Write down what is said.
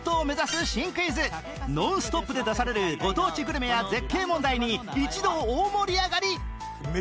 ノンストップで出されるご当地グルメや絶景問題に一同大盛り上がり